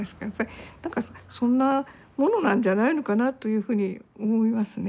やっぱりなんかそんなものなんじゃないのかなというふうに思いますね。